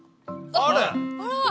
あれ！